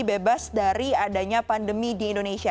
bebas dari adanya pandemi di indonesia